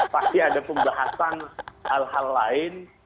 pasti ada pembahasan hal hal lain